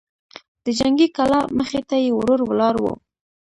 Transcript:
د جنګي کلا مخې ته يې ورور ولاړ و.